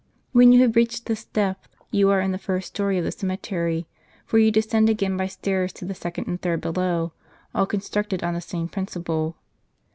When you have reached this depth you are in the first story of the cemetery, for you descend again by stairs to the second and third below, all constructed on the same principle.